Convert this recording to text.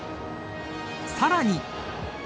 さらに。